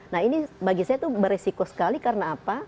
nah ini bagi saya itu beresiko sekali karena apa